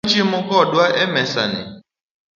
Be inyalo chiemo kodwa e mesani?